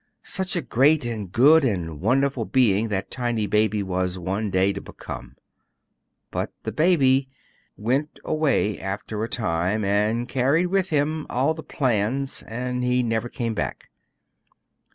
Such a great and good and wonderful being that tiny baby was one day to become. But the baby went away, after a time, and carried with him all the plans and he never came back.